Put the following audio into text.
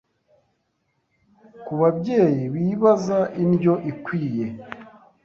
Ku babyeyi bibaza indyo ikwiye